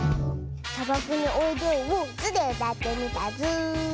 「さばくにおいでよ」を「ズ」でうたってみたズー。